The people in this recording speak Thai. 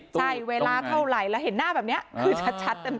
ใช่เวลาเท่าไหร่แล้วเห็นหน้าแบบนี้คือชัดเต็ม